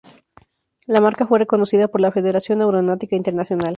La marca fue reconocida por la Federación Aeronáutica Internacional.